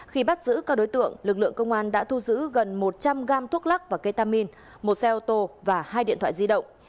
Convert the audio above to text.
khi bắt giữ các đối tượng lực lượng công an đã thu giữ gần một trăm linh gam thuốc lắc và ketamin một xe ô tô và hai điện thoại di động